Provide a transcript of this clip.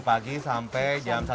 tujuh pagi sampai jam satu siang